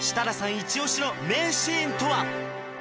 イチオシの名シーンとは？